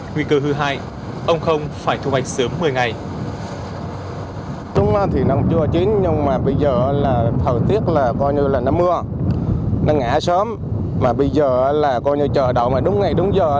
nguy cơ hư hại ông không phải thu hoạch sớm một mươi ngày